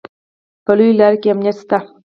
په لویو لارو کې امنیت شته